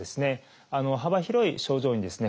幅広い症状にですね